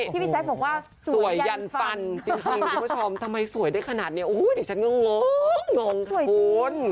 ที่พี่แซมบอกว่าสวยยันฟันจริงที่ผู้ชมทำไมสวยได้ขนาดนี้โอ้ยเดี๋ยวฉันก็งงงงงค่ะคุณ